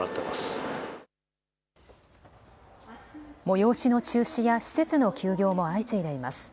催しの中止や施設の休業も相次いでいます。